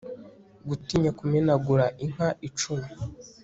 Gutinya kumenagura inka icumi